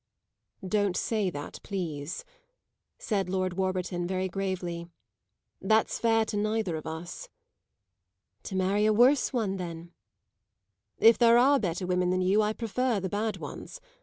"Don't say that, please," said Lord Warburton very gravely. "That's fair to neither of us." "To marry a worse one then." "If there are better women than you I prefer the bad ones.